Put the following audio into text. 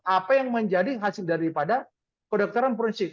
apa yang menjadi hasil daripada kedokteran forensik